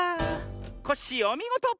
コッシーおみごと！